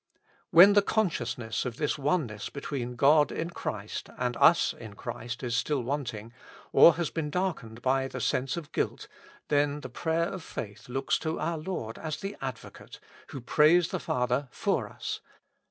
" When the consciousness of this oneness between God in Christ and us in Christ still is wanting, or has been darkened by the sense of guilt, then the prayer of faith looks to our Lord as the Advocate, who prays the Father /or us.